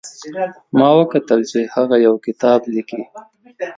ما وکتل چې هغه یو کتاب لیکي